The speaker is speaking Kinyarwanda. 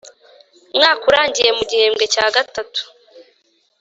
Mwaka urangiye mu gihembwe cya gatatu